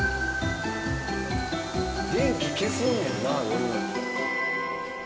電気消すんやな夜。